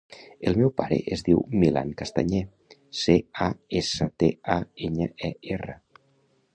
El meu pare es diu Milan Castañer: ce, a, essa, te, a, enya, e, erra.